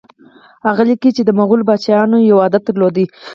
هغه لیکي چې د مغولو پاچایانو یو عادت درلود.